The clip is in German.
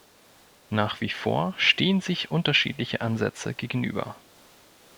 Nach wie vor stehen sich unterschiedliche Ansätze gegenüber.